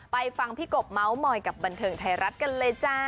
ไปฟังพี่กบเมาส์มอยกับบันเทิงไทยรัฐกันเลยจ้า